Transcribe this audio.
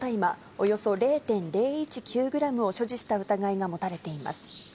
およそ０．０１９グラムを所持した疑いが持たれています。